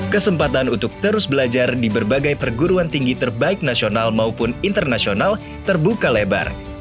kesempatan untuk terus belajar di berbagai perguruan tinggi terbaik nasional maupun internasional terbuka lebar